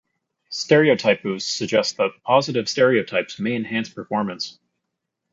Stereotype boost suggests that positive stereotypes may enhance performance.